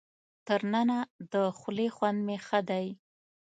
تر ننه د خولې خوند مې ښه دی.